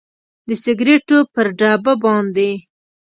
د سګریټو پر ډبه باندې